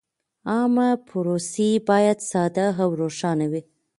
عامه پروسې باید ساده او روښانه وي.